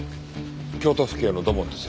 京都府警の土門です。